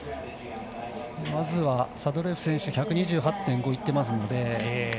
まずはサドレーエフ選手１２８．５ｍいってますので。